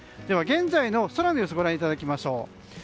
では、現在の空の様子をご覧いただきましょう。